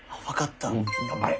頑張れ！